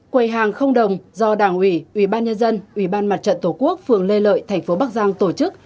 quầy hàng không đồng do đảng ủy ủy ban nhân dân ủy ban mặt trận tổ quốc phường lê lợi thành phố bắc giang tổ chức